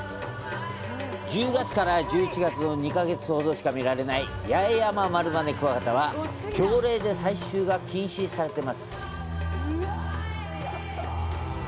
１０月から１１月の２か月ほどしか見られないヤエヤママルバネクワガタは条例で採集が禁止されています。